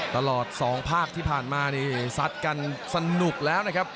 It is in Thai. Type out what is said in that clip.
ตลอด๒ภาคที่ผ่านมานี่ซัดกันสนุกแล้วนะครับ